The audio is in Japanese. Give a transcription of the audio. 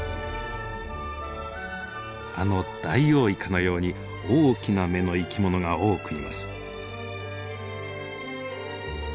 あのダイオウイカのように大きな目の生き物が多くいます。